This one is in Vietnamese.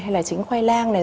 hay là trứng khoai lang này